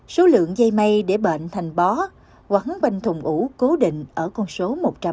số lượng dây mây để bệnh thành bó quắn bên thùng ủ cố định ở con số một trăm ba mươi